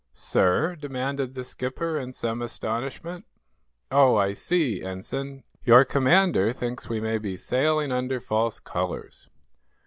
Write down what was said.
"Sir?" demanded the skipper, in some astonishment. "Oh, I see, Ensign. Your commander thinks we may be sailing under false colors.